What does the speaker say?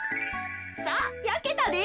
さあやけたで。